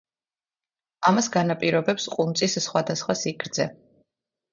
ამას განაპირობებს ყუნწის სხვადასხვა სიგრძე.